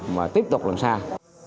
mà tiếp tục lần sau